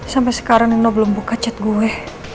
sampai sekarang nino belum buka chat gue